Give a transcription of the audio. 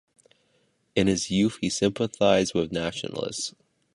In his youth he sympathized with nationalists.